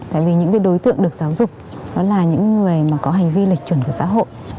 tại vì những đối tượng được giáo dục đó là những người mà có hành vi lệch chuẩn của xã hội